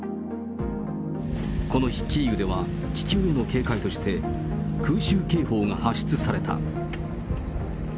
この日、キーウでは気球への警戒として、空襲警報が発出された。